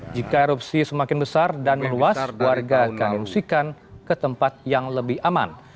jika erupsi semakin besar dan meluas warga akan diungsikan ke tempat yang lebih aman